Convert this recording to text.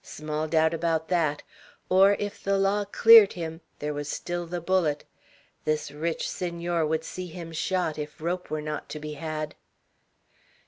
Small doubt about that; or, if the law cleared him, there was still the bullet. This rich Senor would see him shot, if rope were not to be had.